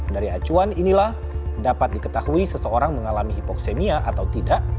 dari acuan inilah dapat diketahui seseorang mengalami hipoksemia atau tidak